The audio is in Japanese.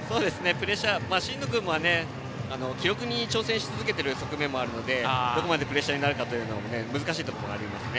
真野君は記録に挑戦し続けている側面もあるのでどこまでプレッシャーになるかは難しいところですね。